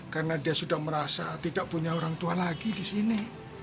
karena dia sudah merasa tidak punya orang tua lagi di sini